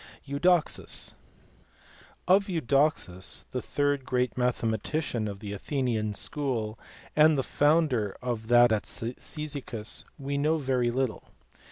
Eudoxus*. Of Eudoxus, the third great mathematician of the Athenian school and the founder of that at Cyzicus, we know very little.